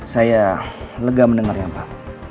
saya lega mendengarnya pak